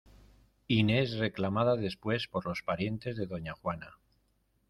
Inés reclamada después por los parientes de doña juana.